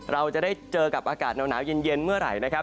เราจะได้เจอกับอากาศหนาวเย็นเมื่อไหร่นะครับ